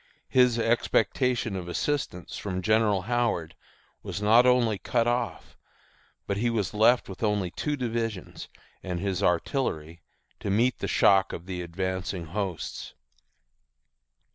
His expectation of assistance from General Howard was not only cut off, but he was left with only two divisions and his artillery to meet the shock of the advancing hosts.